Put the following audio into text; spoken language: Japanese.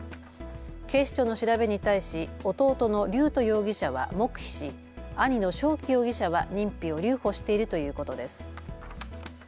警視庁の調べに対し弟の龍斗容疑者は黙秘し兄の翔輝容疑者は認否を留保しているということです。